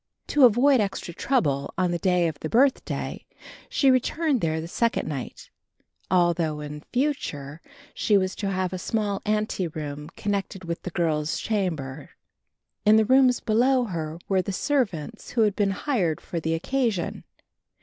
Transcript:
To avoid extra trouble on the day of the birthday, she returned there the second night, although in future she was to have a small ante room connecting with the girls' chamber. In the rooms below her were the servants who had been hired for the occasion.